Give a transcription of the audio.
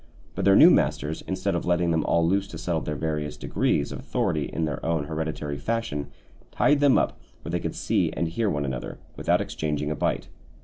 But their new masters, instead of letting them all loose to settle their various degrees of authority in their own hereditary fashion, tied them up where they could see and hear one another without exchanging a bite.